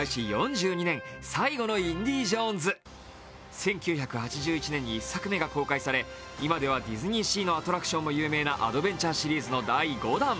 １９８１年に１作目が公開され、今ではディズニーシーのアトラクションも有名なアドベンチャーシリーズの第５弾。